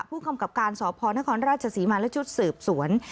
ผู้คำกับการณ์สพรรสีมารชุดสืบสวน